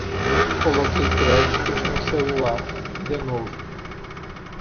Coloquei créditos no celular, de novo